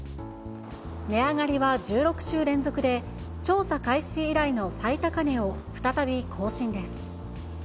値上がりは１６週連続で、調査開始以来の最高値を再び更新です。